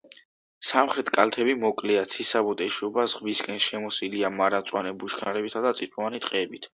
სამხრეთ კალთები მოკლეა, ციცაბოდ ეშვება ზღვისკენ, შემოსილია მარადმწვანე ბუჩქნარებითა და წიწვოვანი ტყეებით.